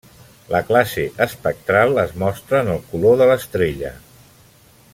La classe espectral es mostra en el color de l'estrella.